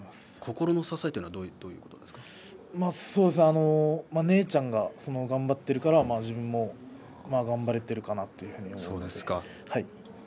心の支えというのはお姉ちゃんが頑張っているから自分も頑張れているかなと思いますね。